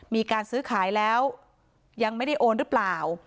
มีการซื้อขายแล้วยังไม่ได้โอนหรือเปล่า